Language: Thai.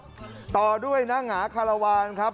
และก็มีการกินยาละลายริ่มเลือดแล้วก็ยาละลายขายมันมาเลยตลอดครับ